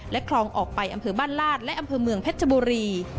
คลองออกไปอำเภอบ้านลาดและอำเภอเมืองเพชรบุรี